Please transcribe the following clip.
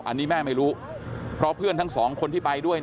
อันนี้แม่ไม่รู้เพราะเพื่อนทั้งสองคนที่ไปด้วย